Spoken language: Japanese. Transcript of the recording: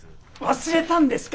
忘れたんですか？